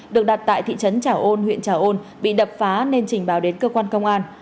được đặt tại thị trấn trà ôn huyện trà ôn bị đập phá nên trình báo đến cơ quan công an